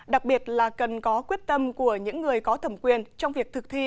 đặc biệt là cần có quyết tâm của những người có thẩm quyền trong việc thực thi